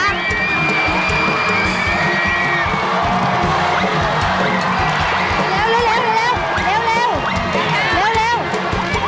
เร็ว